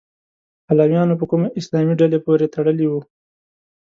علویانو په کومه اسلامي ډلې پورې تړلي وو؟